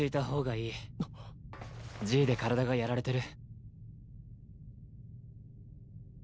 Ｇで体がやられてる。